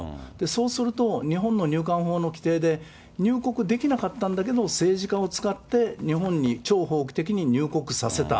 そうすると、日本の入管法の規定で入国できなかったんだけども、政治家を使って、日本に超法規的に入国させた。